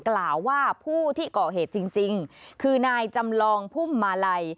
กล่าวว่าผู้ที่ก่อเหตุจริงคือนายจำลองพุ่มมาลัย